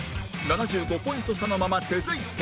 ７５ポイント差のまま続いて